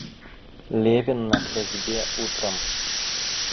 Левин на косьбе утром.